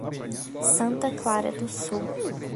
Santa Clara do Sul